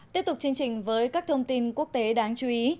tiếp tục chương trình với các thông tin quốc tế đáng chú ý